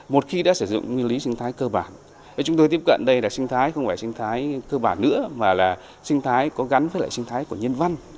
một khi đã sử dụng nguyên lý sinh thái cơ bản chúng tôi tiếp cận đây là sinh thái không phải sinh thái cơ bản nữa mà là sinh thái có gắn với lại sinh thái của nhân văn